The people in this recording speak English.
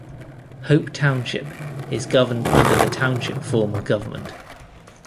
Hope Township is governed under the Township form of government.